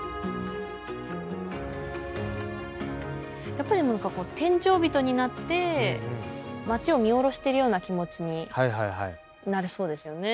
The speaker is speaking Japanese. やっぱり何かこう殿上人になって町を見下ろしてるような気持ちになりそうですよね。